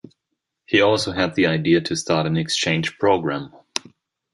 He also had the idea to start an exchange program.